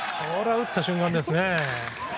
打った瞬間ですね。